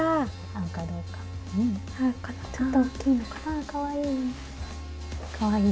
あかわいい！